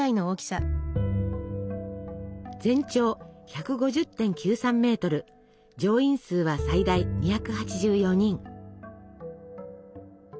全長１５０．９３ｍ乗員数は最大２８４人。